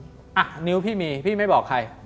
อ่ะนิ้วพี่มีพี่ไม่บอกใคร